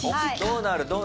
どうなる？